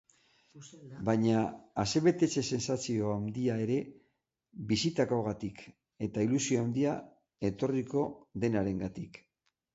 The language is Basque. Baina asebetetze sentsazio handia ere bizitakoagatik eta ilusio handia etorriko denarengatik.